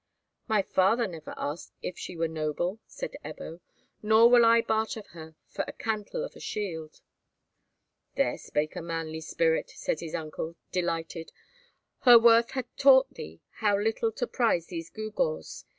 "My father never asked if she were noble," said Ebbo. "Nor will I barter her for a cantle of a shield." "There spake a manly spirit," said his uncle, delighted. "Her worth hath taught thee how little to prize these gewgaws!